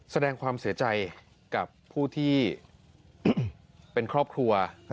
แสดงความเสียใจกับผู้ที่เป็นครอบครัว